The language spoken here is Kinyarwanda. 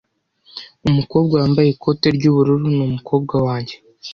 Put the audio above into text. Umukobwa wambaye ikote ry'ubururu ni umukobwa wanjye.